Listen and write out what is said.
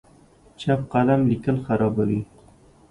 چپ قلم لیکل خرابوي.